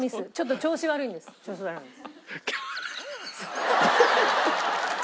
調子悪いんです。